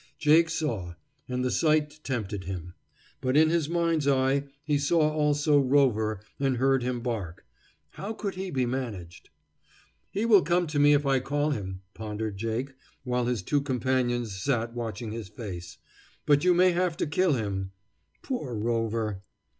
Jake saw, and the sight tempted him. But in his mind's eye he saw also Rover and heard him bark. How could he be managed? "He will come to me if I call him," pondered Jake, while his two companions sat watching his face, "but you may have to kill him. Poor Rover!"